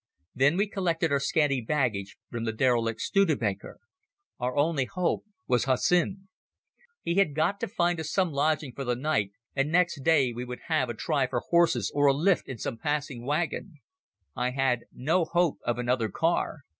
Then we collected our scanty baggage from the derelict Studebaker. Our only hope was Hussin. He had got to find us some lodging for the night, and next day we would have a try for horses or a lift in some passing wagon. I had no hope of another car.